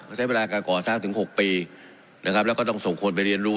ใช้เวลาการก่อสร้างถึง๖ปีนะครับแล้วก็ต้องส่งคนไปเรียนรู้